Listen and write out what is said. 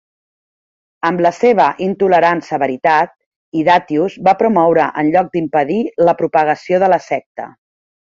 Amb la seva intolerant severitat, Hydatius va promoure en lloc d'impedir la propagació de la secta.